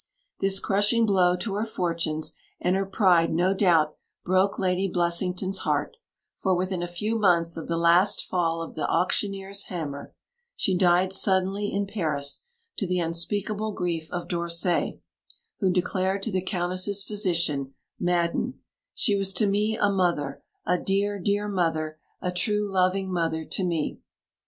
This crushing blow to her fortunes and her pride no doubt broke Lady Blessington's heart; for within a few months of the last fall of the auctioneer's hammer, she died suddenly in Paris, to the unspeakable grief of d'Orsay, who declared to the Countess's physician, Madden, "She was to me a mother! a dear, dear mother a true, loving mother to me."